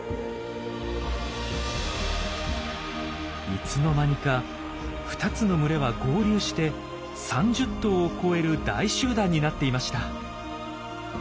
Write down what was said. いつの間にか２つの群れは合流して３０頭を超える大集団になっていました。